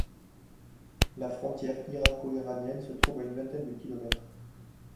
La frontière irako-iranienne se trouve à une vingtaine de kilomètres.